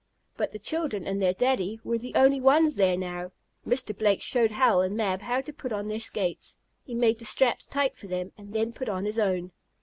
But the children and their Daddy were the only ones there now. Mr. Blake showed Hal and Mab how to put on their skates. He made the straps tight for them, and then put on his own.